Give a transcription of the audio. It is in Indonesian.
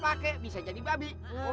kalau gue jadi babi